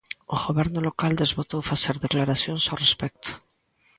O Goberno local desbotou facer declaracións ao respecto.